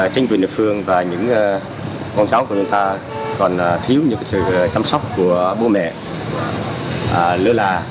chính quyền địa phương và những con cháu của chúng ta còn thiếu những sự chăm sóc của bố mẹ lơ là